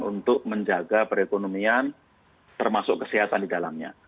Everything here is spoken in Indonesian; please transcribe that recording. untuk menjaga perekonomian termasuk kesehatan di dalamnya